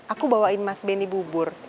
aku bawain mas benny bubur